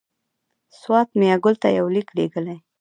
سوات میاګل ته یو لیک لېږلی.